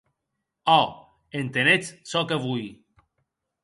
Ò, entenetz çò que voi.